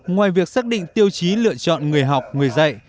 ngoài việc xác định tiêu chí lựa chọn người học người dạy